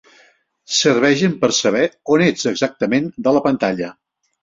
Serveixen per saber on ets exactament de la pantalla.